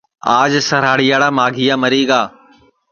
آج سراڑیاڑا ماگھیا مری گا